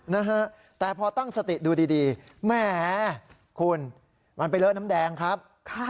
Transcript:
นะฮะแต่พอตั้งสติดูดีแหมคุณมันไปเลอะน้ำแดงครับ